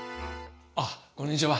あっこんにちは。